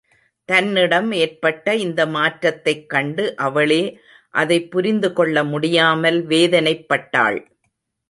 தன்னிடம் ஏற்பட்ட இந்த மாற்றத்தைக் கண்டு அவளே அதைப் புரிந்து கொள்ள முடியாமல் வேதனைப் பட்டாள்.